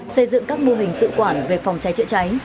xây dựng các mô hình tự quản về phòng cháy chữa cháy